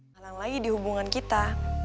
halang lagi di hubungan kita